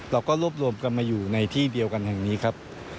เราก็รวบรวมกันมาอยู่ในที่เดียวกันแห่งนี้ครับ